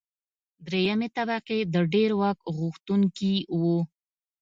درېیمې طبقې د ډېر واک غوښتونکي وو.